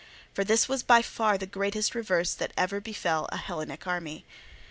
For this was by far the greatest reverse that ever befell an Hellenic army.